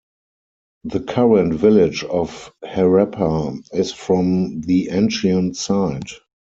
The current village of Harappa is from the ancient site.